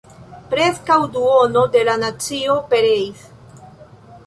Preskaŭ duono de la nacio pereis.